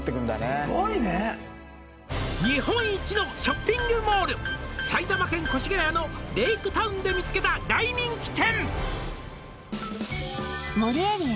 すごいね「日本一のショッピングモール」「埼玉県越谷のレイクタウンで見つけた大人気店」